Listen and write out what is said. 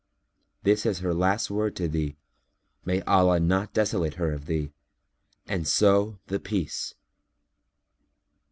This is her last word to thee, may Allah not desolate her of thee, and so The Peace!